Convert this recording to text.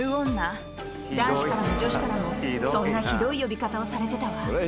男子からも女子からもそんなひどい呼び方をされてたわ。